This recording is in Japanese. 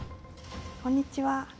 こんにちは。